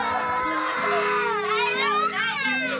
大丈夫大丈夫。